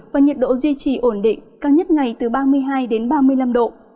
và nhiệt độ duy trì ổn định cao nhất ngày từ ba mươi hai đến ba mươi năm độ